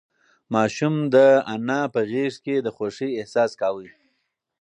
ماشوم د نیا په غېږ کې د خوښۍ احساس کاوه.